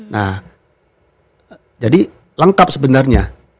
nah jadi lengkap sebenarnya